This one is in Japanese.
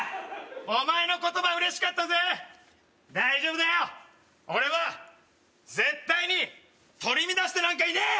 お前の言葉嬉しかったぜ大丈夫だよ俺は絶対に取り乱してなんかいねえ！